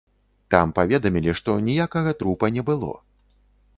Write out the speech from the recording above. Там паведамілі, што ніякага трупа не было.